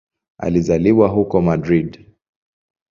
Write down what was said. Alizaliwa huko Madrid.